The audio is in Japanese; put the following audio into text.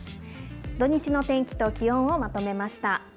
土日の天気と気温をまとめました。